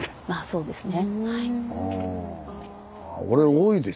そうですね。